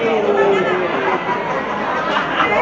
สวัสดีครับ